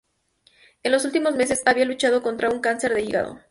En los últimos meses había luchado contra un cáncer de hígado.